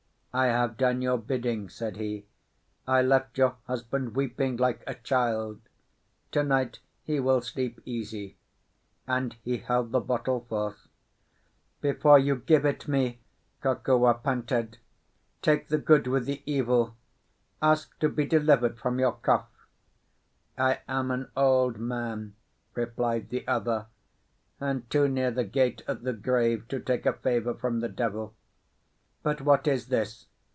"I have done your bidding," said he. "I left your husband weeping like a child; to night he will sleep easy." And he held the bottle forth. "Before you give it me," Kokua panted, "take the good with the evil—ask to be delivered from your cough." "I am an old man," replied the other, "and too near the gate of the grave to take a favour from the devil. But what is this?